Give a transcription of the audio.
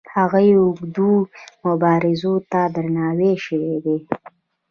هغو اوږدو مبارزو ته درناوی شوی دی.